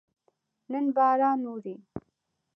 نن باران اوري